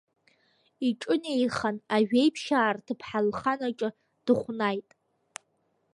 Иҿынеихан, ажәеиԥшьаа рҭыԥҳа лхан аҿы дыхәнаит.